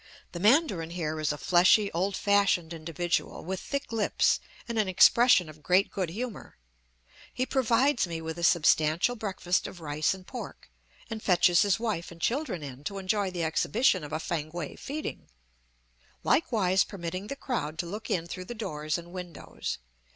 The mandarin here is a fleshy, old fashioned individual, with thick lips and an expression of great good humor. He provides me with a substantial breakfast of rice and pork, and fetches his wife and children in to enjoy the exhibition of a Fankwae feeding, likewise permitting the crowd to look in through the doors and windows.